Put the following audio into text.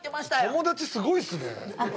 友達すごいっすねあっ